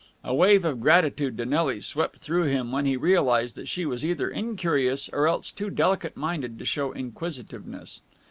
A wave of gratitude to Nelly swept through him when he realized that she was either incurious or else too delicate minded to show inquisitiveness.